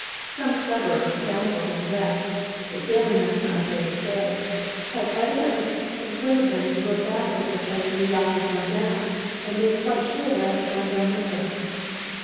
Some cleverer scoundrel than the rest (the sailing master, I dare say) had evidently persuaded them to row back over the place where the yacht had gone down, and make quite sure that I had gone down with her.